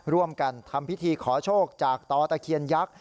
ร่วมกันทำพิธีขอโชคจากต่อตะเคียนยักษ์